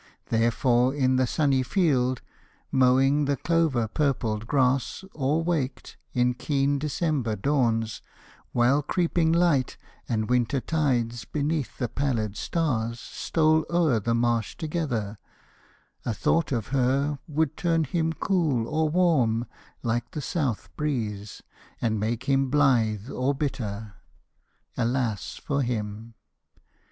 Therefore, in the sunny field, Mowing the clover purpled grass, or, waked In keen December dawns, while creeping light And winter tides beneath the pallid stars Stole o'er the marsh together, a thought of her Would turn him cool or warm, like the south breeze, And make him blithe or bitter. Alas for him!